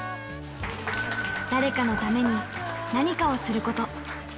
誰かのために何かをすること。